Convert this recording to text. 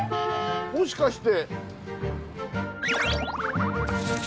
もしかして。